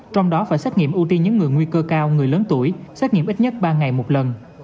trong đó phải xét nghiệm ưu tiên những người nguy cơ cao người lớn tuổi xét nghiệm ít nhất ba ngày một lần